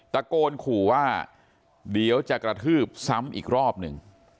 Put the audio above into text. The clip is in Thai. ตะโกนขู่ว่าเดี๋ยวจะกระทืบซ้ำอีกรอบหนึ่ง